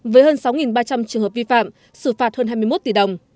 với hơn sáu ba trăm linh trường hợp vi phạm xử phạt hơn hai mươi một tỷ đồng